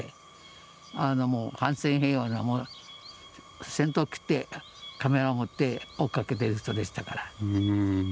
反戦平和の先頭を切ってカメラを持って追っかけてる人でしたから。